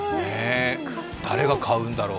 誰が買うんだろう？